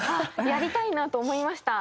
やりたいなと思いました。